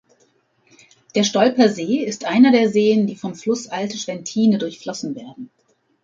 Der Stolper See ist einer der Seen, die vom Fluss Alte Schwentine durchflossen werden.